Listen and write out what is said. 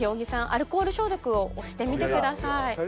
アルコール消毒を押してみてください。